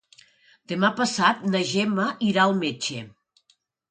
Demà passat na Gemma irà al metge.